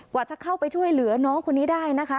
กว่าจะเข้าไปช่วยเหลือน้องคนนี้ได้นะคะ